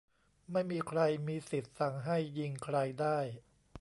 ไม่มีใครมีสิทธิ์สั่งให้ "ยิง" ใครได้